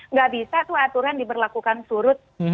nggak bisa tuh aturan diberlakukan surut